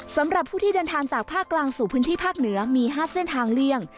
สำหรับผู้ที่เดินทางจากภาคกลางสู่พื้นที่ภาคเหนือมี๕เส้นทางเลี่ยง